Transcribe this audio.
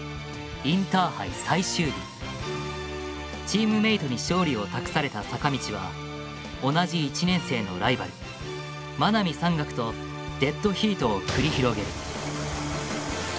チームメートに勝利を託された坂道は同じ１年生のライバル真波山岳とデッドヒートを繰り広げる。